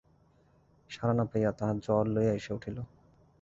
সাড়া না পাইয়া তাহার জ্বর লইয়াই সে উঠিল।